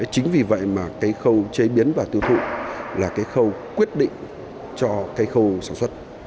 chính vì vậy mà cái khâu chế biến và tiêu thụ là cái khâu quyết định cho cái khâu sản xuất